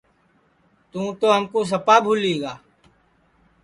تُوں تو ہمکُو سپا بھولی گا